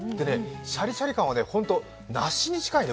シャリシャリ感はほんと梨に近いね。